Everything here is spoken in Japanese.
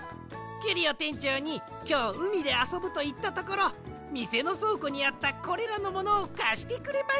キュリオてんちょうにきょううみであそぶといったところみせのそうこにあったこれらのものをかしてくれました。